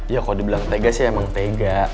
ya kalo dibilang tega sih emang tega